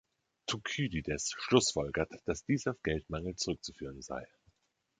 Thukydides schlussfolgert, dass dies auf Geldmangel zurückzuführen sei.